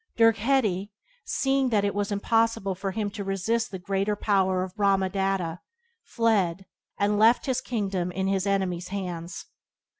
Dirgheti, seeing that it was impossible for him to resist the greater power of Brahmadatta, fled, and left his kingdom in his enemy's hands.